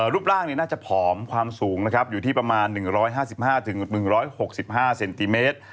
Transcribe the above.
รูปร่างน่าจะผอมความสูงนะครับอยู่ที่ประมาณ๑๕๕๑๖๕เซนติเมตร